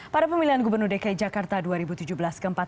pada pemilihan gubernur dki jakarta dua ribu tujuh belas keempat